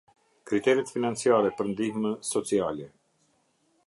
Kriteret financiare për ndihmë sociale.